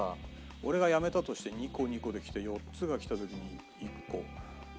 俺がやめたとして２個２個できて４つがきた時に１個。